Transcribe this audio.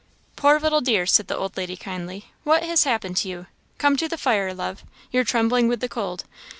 "Poor little dear!" said the old lady, kindly, "what has happened to you? Come to the fire, love, you're trembling with the cold.